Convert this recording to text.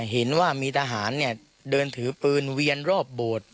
เห็นว่ามีทหารเดินถือปืนเวียนรอบโบสถ์